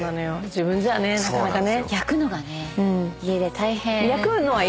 自分じゃねなかなかね。